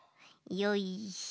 よいしょ。